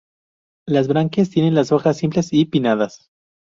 Las branquias tienen las hojas simples y pinnadas.